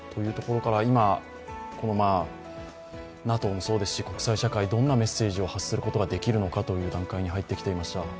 今、ＮＡＴＯもそうですし、国際社会、どんなメッセージを発することができるのかというところに入ってきました。